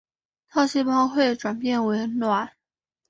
套细胞会转变成卵。